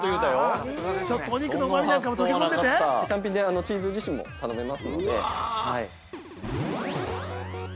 単品でチーズ自身も頼めますので。